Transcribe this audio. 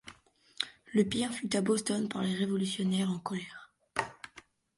Le pire fut à Boston par les révolutionnaires en colère.